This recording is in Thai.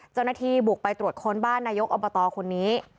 เจ้าหน้าที่บุกไปตรวจค้นบ้านนายกอบตคนนี้